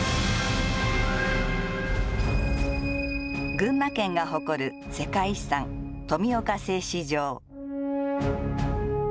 群馬県が誇る世界遺産、富岡製糸場。